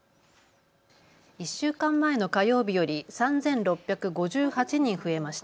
１週間前の火曜日より３６５８人増えました。